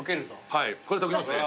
はいこれは溶けますね。